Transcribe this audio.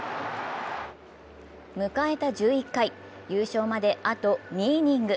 迎えた１１回、優勝まであと２イニング。